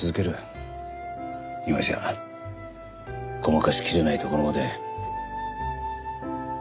今じゃごまかしきれないところまで。